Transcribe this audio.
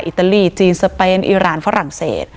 อิตาลีจีนสเปนอิราณฝรั่งเศส